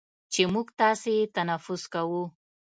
چې موږ تاسې یې تنفس کوو،